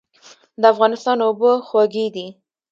د افغانستان اوبه خوږې دي